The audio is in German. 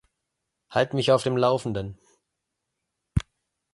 Halt mich auf dem Laufenden.